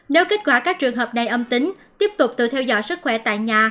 nếu kết quả các trường hợp này âm tính tiếp tục tự theo dõi sức khỏe tại nhà